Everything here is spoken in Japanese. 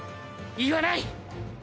言わない！